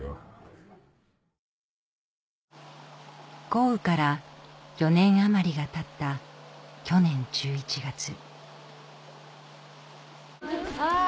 豪雨から４年余りがたった去年１１月あ。